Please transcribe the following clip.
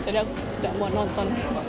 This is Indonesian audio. jadi aku sudah mau nonton